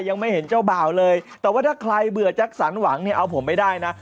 ยังไม่เห็นเจ้าบ่าวเลยแต่ว่าถ้าใครเบื่อแจ็คสันหวังเนี่ยเอาผมไม่ได้นะ